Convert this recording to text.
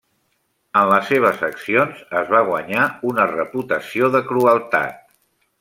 En les seves accions es va guanyar una reputació de crueltat.